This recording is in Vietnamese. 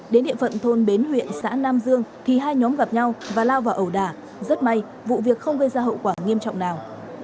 đến địa phận thôn bến huyện xã nam dương thì hai nhóm gặp nhau và lao vào ẩu đà rất may vụ việc không gây ra hậu quả nghiêm trọng nào